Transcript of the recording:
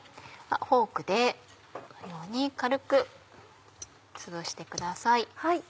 フォークでこのように軽くつぶしてください。